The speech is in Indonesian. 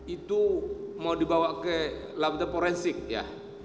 itu mau dibawa ke laboratori forensik ya